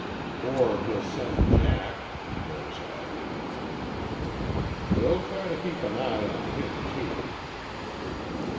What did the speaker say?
"Or he'll send Jack," Rose added. "We'll try to keep an eye on him, too."